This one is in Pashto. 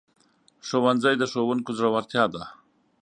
ښوونځی د ښوونکو زړورتیا ده